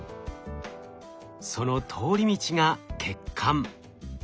その通り道が血管。